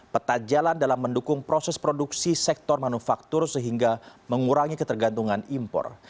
peta jalan dalam mendukung proses produksi sektor manufaktur sehingga mengurangi ketergantungan impor